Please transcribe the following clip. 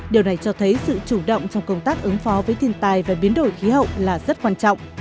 điều này cho thấy sự chủ động trong công tác ứng phó với thiên tài và biến đổi khí hậu là rất quan trọng